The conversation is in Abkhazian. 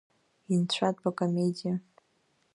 Инцәатәу акомедиа…